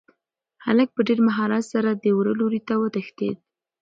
هلک په ډېر مهارت سره د وره لوري ته وتښتېد.